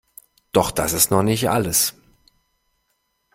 Doch das ist noch nicht alles.